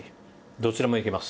どちらもいけます。